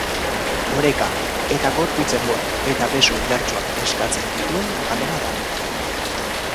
Oreka eta gorputz-enbor eta beso indartsuak eskatzen dituen jarrera da.